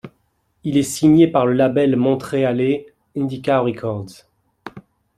Il est signé par le label montréalais Indica Records.